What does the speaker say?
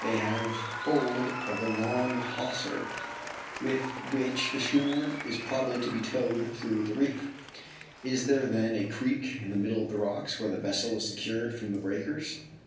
They have hold of a long hawser, with which the schooner is probably to be towed through the reef. Is there then a creek in the middle of the rocks where the vessel is secure from the breakers?